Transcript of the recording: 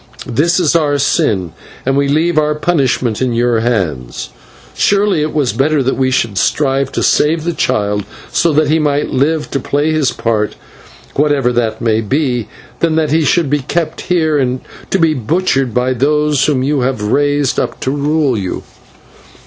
This is our sin, and we leave our punishment in your hands. Surely it was better that we should strive to save the child, so that he might live to play his part, whatever that may be, than that he should be kept here to be butchered by those whom you have raised up to rule you."